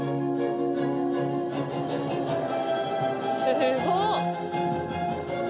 ・すごっ！